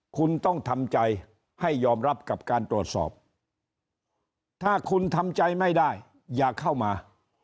คุณต้องทำใจให้ยอมรับกับการตรวจสอบถ้าคุณทำใจไม่ได้อย่าเข้ามา